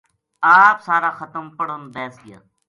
آپ سارا ختم پڑھن بیس گیا